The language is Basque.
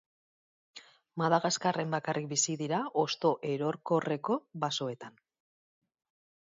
Madagaskarren bakarrik bizi dira hosto erorkorreko basoetan.